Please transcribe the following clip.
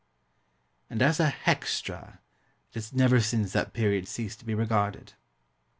And as a "hextra" it has never since that period ceased to be regarded.